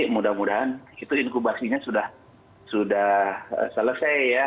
mudah mudahan itu inkubasinya sudah selesai ya